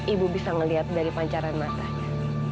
ibu bisa melihat dari pancaran masanya